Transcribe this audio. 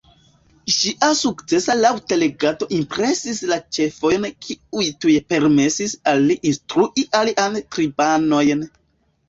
Ŝia sukcesa laŭtlegado impresis la ĉefojn kiuj tuj permesis al li instrui aliajn tribanojn